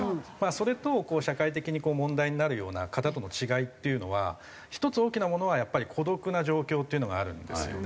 それと社会的にこう問題になるような方との違いっていうのは１つ大きなものはやっぱり孤独な状況っていうのがあるんですよね。